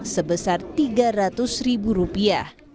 sebesar tiga ratus ribu rupiah